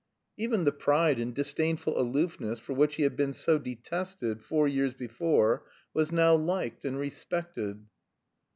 Even the pride and disdainful aloofness for which he had been so detested four years before was now liked and respected.